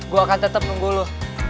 gue akan tetap nunggu lu